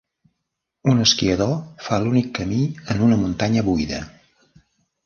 Un esquiador fa l'únic camí en una muntanya buida.